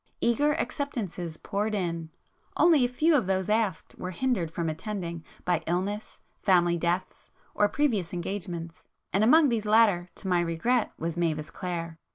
Eager acceptances poured in; only a few of those asked were hindered from attending by illness, family deaths or previous engagements, and among these latter, to my regret, was Mavis Clare.